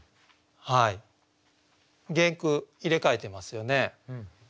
原句入れ替えてますよね。